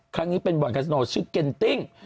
ครั้งนี้เป็นบ่อนคาสโนชื่อเก็นติ้ง